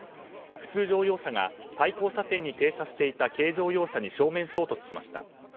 普通乗用車が対向車線に停車していた軽乗用車に正面衝突しました。